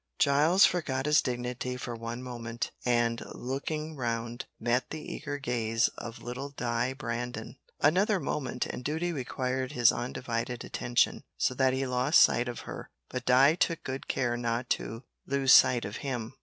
Giles forgot his dignity for one moment, and, looking round, met the eager gaze of little Di Brandon. Another moment and duty required his undivided attention, so that he lost sight of her, but Di took good care not to lose sight of him.